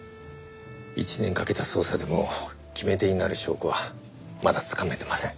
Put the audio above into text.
１年かけた捜査でも決め手になる証拠はまだつかめていません。